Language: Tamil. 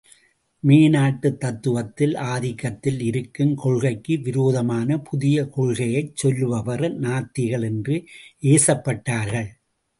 மேநாட்டுத் தத்துவத்தில், ஆதிக்கத்தில் இருக்கும் கொள்கைக்கு விரோதமான புதிய கொள்கையைச் சொல்லுபவர் நாத்திகள் என்று ஏசப்பட்டார்கள்.